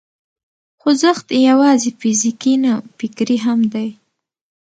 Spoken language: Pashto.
خوځښت یوازې فزیکي نه، فکري هم دی.